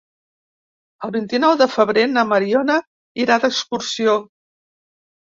El vint-i-nou de febrer na Mariona irà d'excursió.